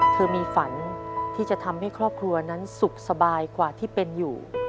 เธอมีฝันที่จะทำให้ครอบครัวนั้นสุขสบายกว่าที่เป็นอยู่